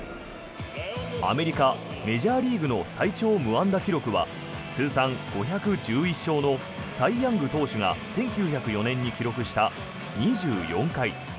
アメリカ・メジャーリーグの最長無安打記録は通算５１１勝のサイ・ヤング投手が１９０４年に記録した２４回。